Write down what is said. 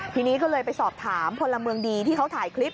ทีนี้ก็เลยไปสอบถามพลเมืองดีที่เขาถ่ายคลิป